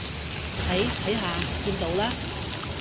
睇，睇下，見到啦？